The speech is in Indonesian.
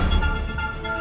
aku mau ketemu mama